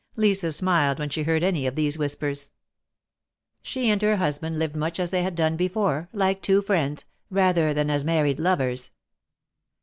Lisa smiled when she heard any of these whispers. She and her husband lived much as they had done before — like two friends — rather than as married lovers.